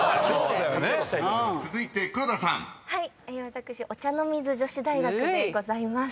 私お茶の水女子大学でございます。